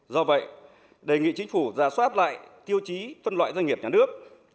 do vậy đề nghị chính phủ ra soát lại tiêu chí phân loại doanh nghiệp nhà nước